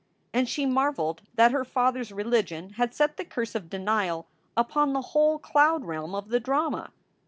And she marveled that her father s religion had set the curse of denial upon the whole cloud realm of the drama.